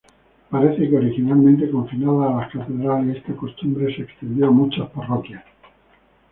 Parece que originalmente confinada a las catedrales, esta costumbre se extendió a muchas parroquias.